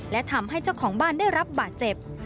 และทำให้เจ้าของบ้านได้รับบาดเจ็บ